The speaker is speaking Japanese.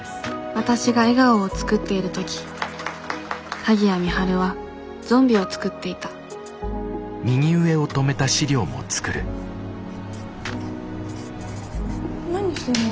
わたしが笑顔を作っている時鍵谷美晴はゾンビを作っていた何してんの？